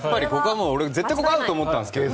絶対ここは合うと思ったんですけどね。